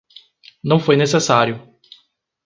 Não foi necessário.